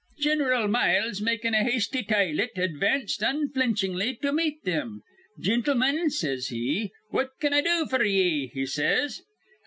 Gin'ral Miles, makin' a hasty tielet, advanced onflinchingly to meet thim. 'Gintlemen,' says he, 'what can I do f'r ye?' he says.